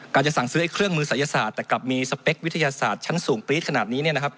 จะสั่งซื้อเครื่องมือศัยศาสตร์แต่กลับมีสเปควิทยาศาสตร์ชั้นสูงปรี๊ดขนาดนี้